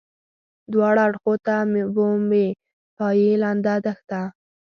دواړه اړخو ته مو بې پایې لنده دښته.